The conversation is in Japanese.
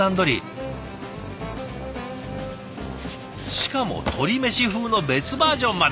しかも鶏メシ風の別バージョンまで。